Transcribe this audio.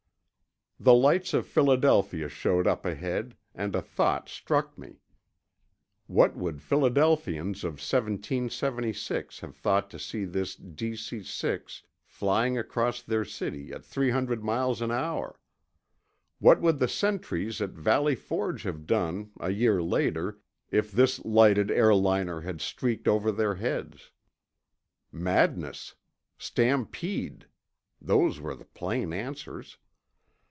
The lights of Philadelphia showed up ahead, and a thought struck me. What would Philadelphians of 1776 have thought to see this DC 6 flying across their city at three hundred miles an hour? What would the sentries at Valley Forge have done, a year later, if this lighted airliner had streaked over their heads? Madness. Stampede. Those were the plain answers.